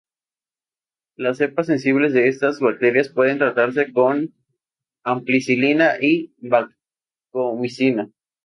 Las cepas sensibles de estas bacterias pueden tratarse con ampicilina y vancomicina.